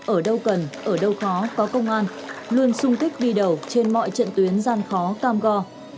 ở đâu cần ở đâu khó có công an luôn sung kích đi đầu trên mọi trận tuyến gian khó cam go